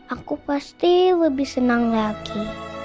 aku pasti lebih senang lagi